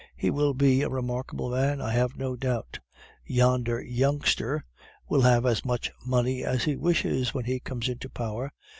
He will be a remarkable man, I have no doubt. 'Yonder youngster' will have as much money as he wishes when he comes into power."